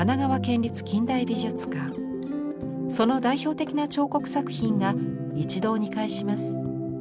その代表的な彫刻作品が一堂に会します。